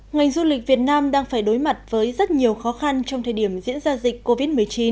ngành du lịch việt nam đang phải đối mặt với rất nhiều khó khăn trong thời điểm diễn ra dịch covid một mươi chín